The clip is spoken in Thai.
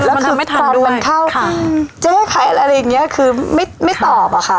มันทำไม่ทำด้วยแล้วคือก่อนมันเข้าค่ะเจ๊ใครอะไรอย่างเงี้ยคือไม่ไม่ตอบอ่ะค่ะ